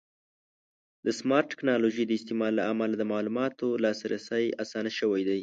د سمارټ ټکنالوژۍ د استعمال له امله د معلوماتو ته لاسرسی اسانه شوی دی.